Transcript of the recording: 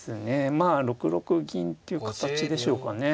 まあ６六銀という形でしょうかね。